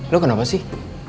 lo kenapa sih